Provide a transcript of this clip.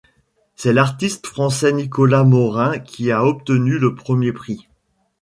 C’est l’artiste français Nicolas Morin qui a obtenu le premier prix.